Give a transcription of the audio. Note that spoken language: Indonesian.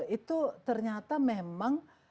itu ternyata memang